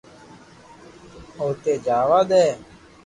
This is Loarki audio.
اوني جاوا دي